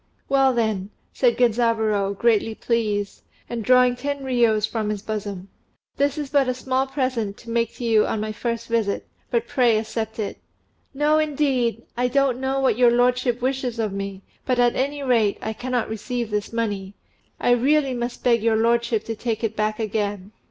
"Well, then," said Genzaburô, greatly pleased, and drawing ten riyos from his bosom, "this is but a small present to make to you on my first visit, but pray accept it." "No, indeed! I don't know what your lordship wishes of me; but, at any rate, I cannot receive this money. I really must beg your lordship to take it back again."